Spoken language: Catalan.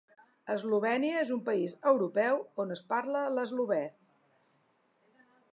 Eslovènia és un país europeu on es parla l'eslovè.